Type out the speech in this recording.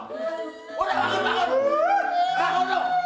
hei bangun dong